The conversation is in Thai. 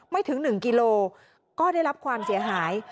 ไม่ถึง๑กิโลก็ได้รับความเสียหาย